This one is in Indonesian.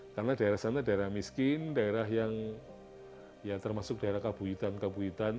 karena daerah sana daerah miskin daerah yang ya termasuk daerah kabuyutan kabuyutan